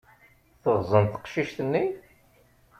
Teɣẓen teqcict-nni.